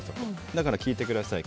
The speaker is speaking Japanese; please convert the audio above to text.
だから聴いてください。